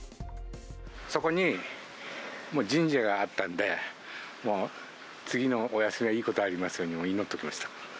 そこにもう神社があったんで、もう次のお休みはいいことありますようにって祈っときました。